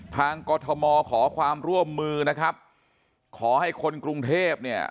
กรทมขอความร่วมมือนะครับขอให้คนกรุงเทพเนี่ย